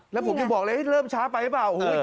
แล้วผมยังบอกเลยเริ่มช้าไปหรือเปล่า